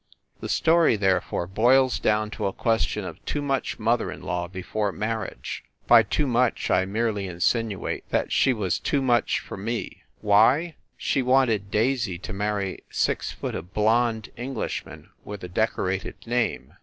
The story, therefore, boils down to a question of too much mother in law before marriage. By too much, I merely insinuate that she was too much for 88 FIND THE WOMAN me. Why? She wanted Daisy to marry six foot of blonde Englishman with a decorated name.